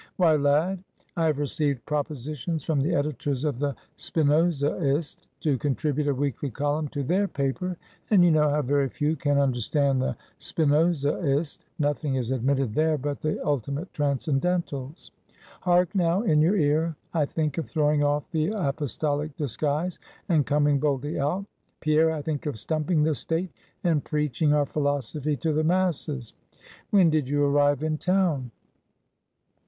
Why, lad, I have received propositions from the Editors of the Spinozaist to contribute a weekly column to their paper, and you know how very few can understand the Spinozaist; nothing is admitted there but the Ultimate Transcendentals. Hark now, in your ear; I think of throwing off the Apostolic disguise and coming boldly out; Pierre! I think of stumping the State, and preaching our philosophy to the masses. When did you arrive in town?"